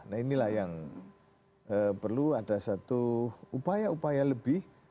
nah inilah yang perlu ada satu upaya upaya lebih